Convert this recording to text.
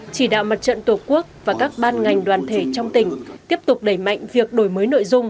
chỉ đạo mặt trận tổ quốc và các ban ngành đoàn thể trong tỉnh tiếp tục đẩy mạnh việc đổi mới nội dung